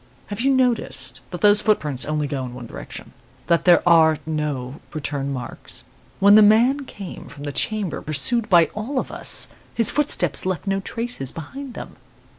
"'Have you noticed that those footprints only go in one direction? that there are no return marks? When the man came from the chamber, pursued by all of us, his footsteps left no traces behind them.